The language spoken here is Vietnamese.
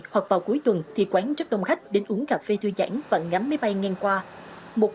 hoặc vào cuối tuần thì quán rất đông khách đến uống cà phê thư giãn và ngắm máy bay ngang qua